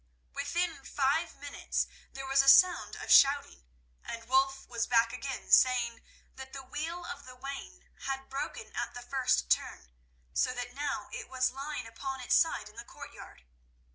Within five minutes there was a sound of shouting, and Wulf was back again saying that the wheel of the wain had broken at the first turn, so that now it was lying upon its side in the courtyard.